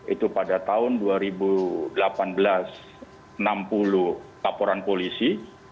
itu pada tahun dua ribu delapan belas enam puluh laporan polisi